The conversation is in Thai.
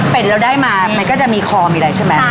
เป็ดเราได้มามันก็จะมีคอมอะไรใช่มั้ย